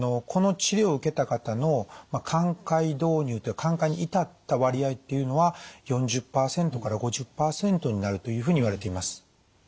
この治療を受けた方の寛解導入って寛解に至った割合っていうのは４０％から５０％になるというふうにいわれています。